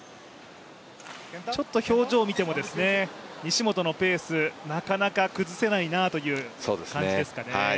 表情を見ても、西本のペースなかなか崩せないなという感じですかね。